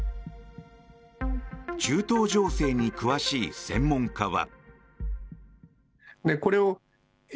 中東情勢に詳しい専門家は。